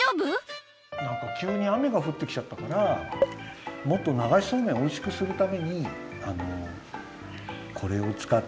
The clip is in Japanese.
なんかきゅうに雨がふってきちゃったからもっと流しそうめんをおいしくするためにこれをつかっておはし。